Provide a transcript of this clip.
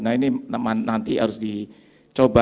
nah ini nanti harus dicoba